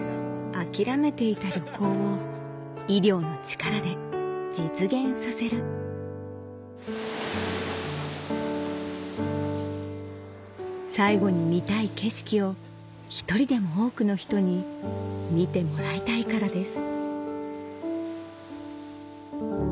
諦めていた旅行を医療の力で実現させる最後に見たい景色を１人でも多くの人に見てもらいたいからです